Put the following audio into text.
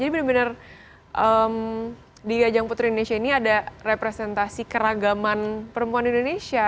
jadi benar benar di ajang putri indonesia ini ada representasi keragaman perempuan di indonesia